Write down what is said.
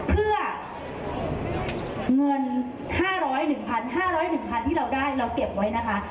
เพื่อเงิน๕๐๑๕๐๑๐๐ที่เราได้เราเก็บไว้นะคะ